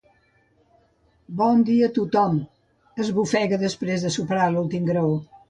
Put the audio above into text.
Bon dia a tothom —esbufega després de superar l'últim graó.